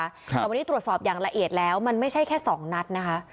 แต่วันนี้ตรวจสอบอย่างละเอียดแล้วมันไม่ใช่แค่๒นัดนะคะ